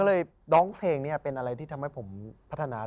เด็กคนี้เก่งน่ะ